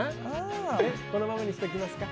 このままにしておきますか。